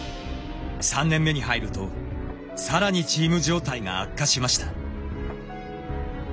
３年目に入るとさらにチーム状態が悪化しました。